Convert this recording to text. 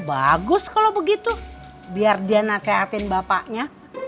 bagus kalau begitu biar dia nasehatin bapaknya